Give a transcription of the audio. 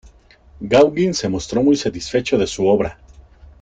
Gauguin se mostró muy satisfecho de su obra.